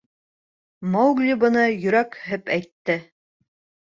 — Маугли быны йөрәкһеп әйтте.